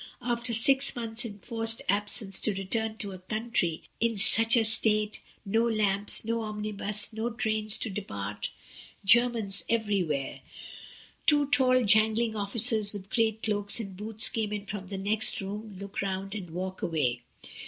after six months' en forced absence to return to a country in such a state — no lamps, no omnibus, no trains to depart, II* 164 MRS. DYMOND. Germans everywhere." (Two tall jangling officers with great cloaks and boots come in from the next room, look round and walk away.)